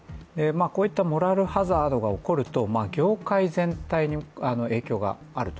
こういったモラルハザードが起こると業界全体に影響があると。